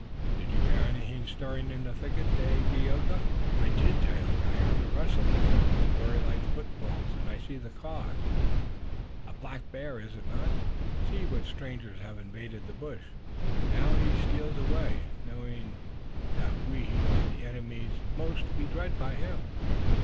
Did you hear anything stirring in the thicket, Dagaeoga?" "I did, Tayoga. I heard a rustling, the sound of very light footfalls, and I see the cause." "A black bear, is it not, seeing what strangers have invaded the bush! Now, he steals away, knowing that we are the enemies most to be dreaded by him.